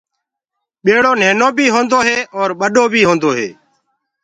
ٻيڙو ننهنو بي هوندو هي اور ڀوت جبرو بي هوندو هي۔